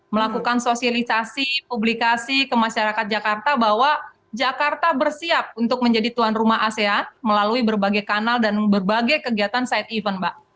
melakukan sosialisasi publikasi ke masyarakat jakarta bahwa jakarta bersiap untuk menjadi tuan rumah asean melalui berbagai kanal dan berbagai kegiatan side event mbak